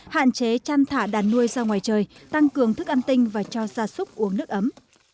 hạn chế chăn thả đàn nuôi ra ngoài trời tăng cường thức ăn tinh và cho ra súc uống nước ấm